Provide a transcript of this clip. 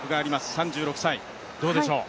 ３６歳、どうでしょう？